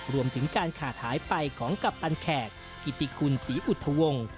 รวมถึงการขาดหายไปของกัปตันแขกกิติคุณศรีอุทธวงศ์